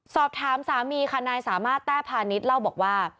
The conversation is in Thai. สอบถามสามีค่ะนายสามารถแต้พาณิชย์เล่าบอกว่า